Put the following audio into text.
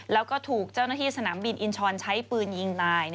แล้วก็ถูกเจ้าหน้าที่สนามบินอินชรใช้ปืนยิงตาย